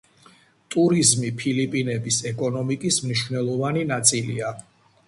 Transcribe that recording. ტურიზმი ფილიპინების ეკონომიკის მნიშვნელოვანი ნაწილია.